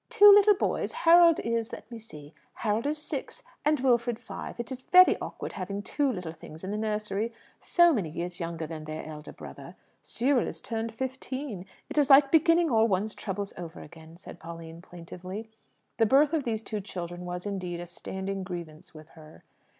"Two little boys. Harold is let me see Harold is six, and Wilfred five. It is very awkward having two little things in the nursery so many years younger than their elder brother. Cyril is turned fifteen. It is like beginning all one's troubles over again," said Pauline plaintively. The birth of these two children was, indeed, a standing grievance with her.